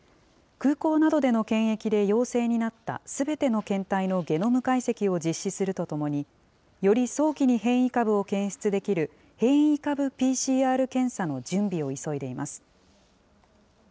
空港などでの検疫で陽性になったすべての検体のゲノム解析を実施するとともに、より早期に変異株を検出できる変異株ＰＣＲ検査の準備を急いでいます。